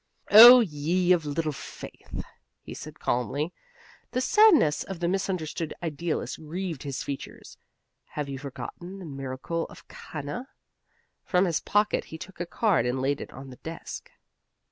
"O ye of little faith!" he said calmly. The sadness of the misunderstood idealist grieved his features. "Have you forgotten the miracle of Cana?" From his pocket he took a card and laid it on the desk.